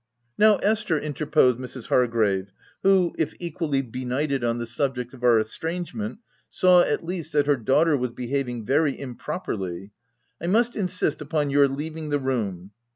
"Now Esther," interposed Mrs. Hargrave, who, if equally benighted on the subject of our estrangement, saw at least that her daughter was behaving very improperly, \ must in sist upon your leaving the room